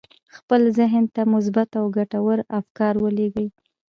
خپل ذهن ته مثبت او ګټور افکار ولېږئ.